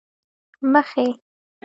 مخې،